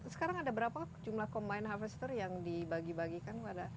sekarang ada berapa jumlah combine harvester yang dibagi bagikan pada